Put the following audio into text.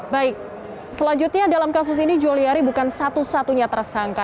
baik selanjutnya dalam kasus ini juliari bukan satu satunya tersangka